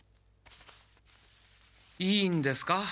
いいんですか？